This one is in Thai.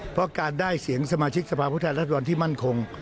เพราะการได้เสียงสมาชิกสภาพผู้แทนรัศดรที่มั่นคง